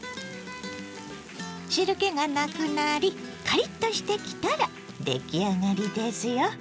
汁けがなくなりカリッとしてきたら出来上がりですよ。